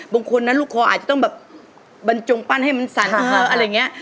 บางคนนั้นลูกคออาจจะต้องแบบบรรจงปั้นให้มันสั่นบ้างอะไรอย่างนี้